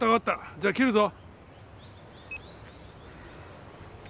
じゃあ切るぞ。